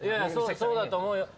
そうだと思うよ。